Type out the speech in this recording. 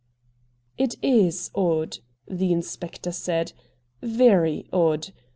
' It is odd,' the inspector said, ' very odd !